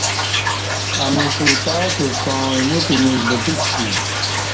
امنی شرتع کعستاں ایموپمیچ بٹہ کشی